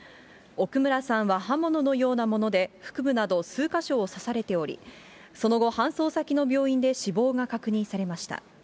奥村さんは刃物のようなもので腹部などすうか所を刺されており、その後、搬送先の病院で死亡が確認されました。